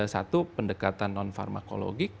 satu pendekatan non farmakologik